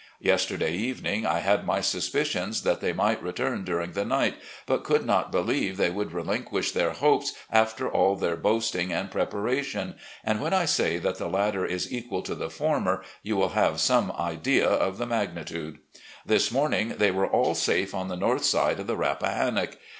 Yesterday evening I had my suspicions that they might retxim during the night, but could not believe they wotdd relinquish their hopes after all their boasting and prepara tion, and when I say that the latter is equal to the former you will have some idea of the magnitude. This mom ARMY LIFE OF ROBERT THE YOUNGER 87 ing they were all safe on the north side of the Rappahan nock.